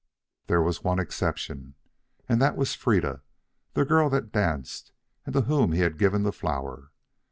There was one exception, and that was Freda, the girl that danced, and to whom he had given the flour.